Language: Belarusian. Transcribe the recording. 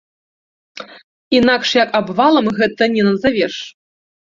Інакш як абвалам, гэта не назавеш.